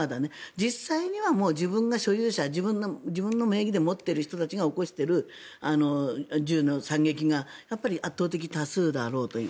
実際には自分が所有者自分の名義で持っている人たちが起こしている銃の惨劇がやっぱり圧倒的多数だろうという。